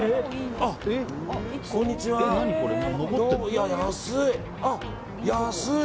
いやー、安い！